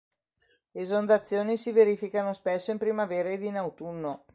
Esondazioni si verificano spesso in primavera ed in autunno.